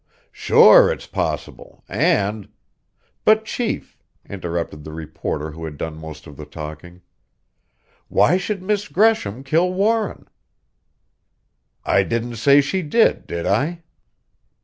"Sure, it's possible, and " "But, chief," interrupted the reporter who had done most of the talking, "why should Miss Gresham kill Warren?" "I didn't say she did, did I?"